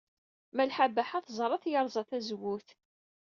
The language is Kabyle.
Malḥa Baḥa teẓra-t yerẓa tazewwut.